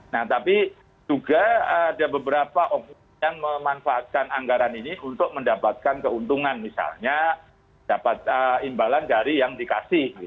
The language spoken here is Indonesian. nah tapi juga ada beberapa yang memanfaatkan anggaran ini untuk mendapatkan keuntungan misalnya dapat imbalan dari yang dikasih